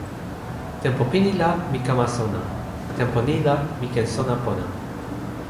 tenpo pini la, mi kama sona. tenpo ni la, mi ken sona pona.